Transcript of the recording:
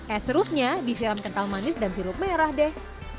es serutnya disiram kental manis dan sirup merah deh